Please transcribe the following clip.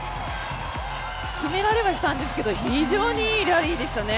決められはしたんですけど非常にいいラリーでしたね。